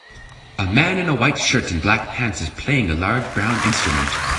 A man in a white shirt and black pants is playing a large brown instrument.